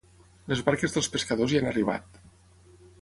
Les barques dels pescadors ja han arribat.